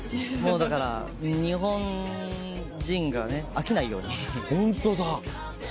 だから日本人が飽きないように。